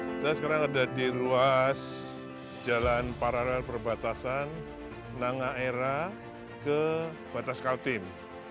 kita sekarang ada di ruas jalan paralel perbatasan nangak era ke batas kautim